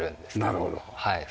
なるほど。